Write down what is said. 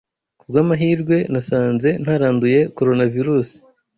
Ku bw'amahirwe, nasanze ntaranduye Coronavirusi.